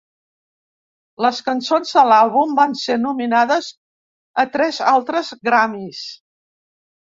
Les cançons de l'àlbum van ser nominades a tres altres Grammys.